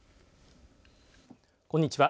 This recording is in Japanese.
こんにちは。